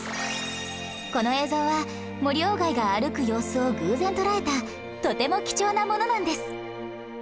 この映像は森外が歩く様子を偶然捉えたとても貴重なものなんです